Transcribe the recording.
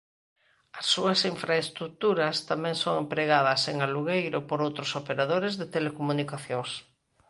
As súas infraestruturas tamén son empregadas en alugueiro por outros operadores de telecomunicacións.